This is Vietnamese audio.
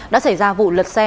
đã xảy ra vụ lật xe